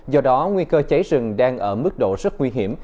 do đó nguy cơ cháy rừng đang ở mức độ rất nguy hiểm